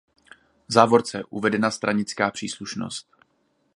V závorce uvedena stranická příslušnost.